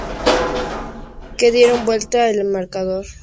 Que dieron vuelta el marcador global en el partido de vuelta.